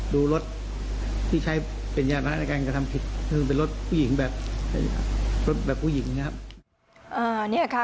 ดูรถที่ใช้เป็นยาพะในการกระทำผิดคือเป็นรถผู้หญิงแบบรถแบบผู้หญิงนะครับ